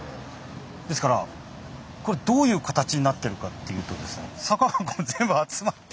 ですからこれどういう形になってるかっていうと坂がこう全部集まって。